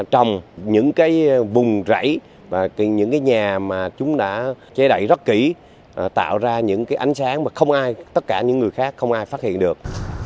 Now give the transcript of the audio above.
trồng những cái vùng rẫy và những cái nhà mà chúng đã che đậy rất kỹ tạo ra những cái ánh sáng mà không ai tất cả những người khác không ai phát hiện được